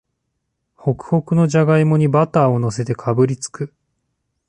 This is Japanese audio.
ホクホクのじゃがいもにバターをのせてかぶりつく